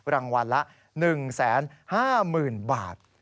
รางวัลละ๑๕๐๐๐๐บาท